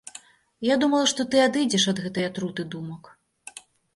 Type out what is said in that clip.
Я думала, што ты адыдзеш ад гэтай атруты думак.